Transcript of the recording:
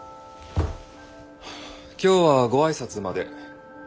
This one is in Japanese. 今日はご挨拶まで。